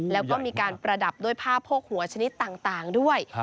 แล้วก็มีการประดับด้วยผ้าโพกหัวชนิดต่างด้วย